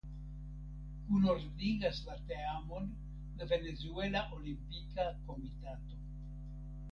Kunordigas la teamon la Venezuela Olimpika Komitato.